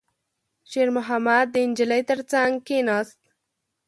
شېرمحمد د نجلۍ تر څنګ کېناست.